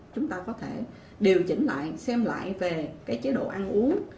chúng ta có thể điều chỉnh lại xem lại về cái chế độ ăn uống